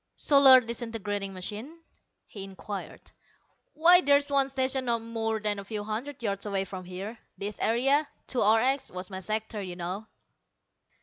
"Solar disintegrating machine?" he inquired. "Why there's one stationed not more than a few hundred yards away from here. This area, 2 RX, was my sector, you know."